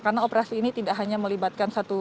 karena operasi ini tidak hanya melibatkan perusahaan